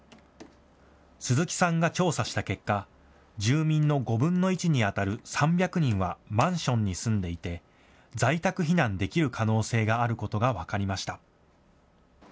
鈴木さんが調査した結果、住民の５分の１にあたる３００人はマンションに住んでいて住宅避難できる可能性があることが分かりました。